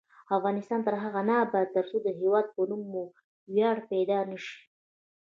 افغانستان تر هغو نه ابادیږي، ترڅو د هیواد په نوم مو ویاړ پیدا نشي.